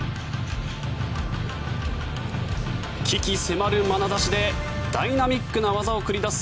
鬼気迫るまなざしでダイナミックな技を繰り出す